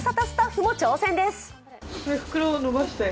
スタッフも挑戦です。